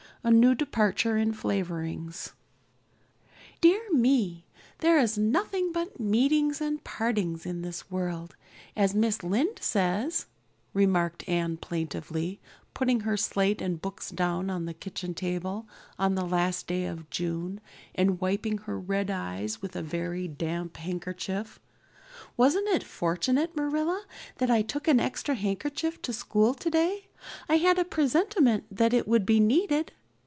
A New Departure in Flavorings DEAR ME, there is nothing but meetings and partings in this world, as Mrs. Lynde says," remarked Anne plaintively, putting her slate and books down on the kitchen table on the last day of June and wiping her red eyes with a very damp handkerchief. "Wasn't it fortunate, Marilla, that I took an extra handkerchief to school today? I had a presentiment that it would be needed."